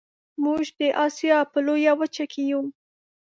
موږ د اسیا په لویه وچه کې یو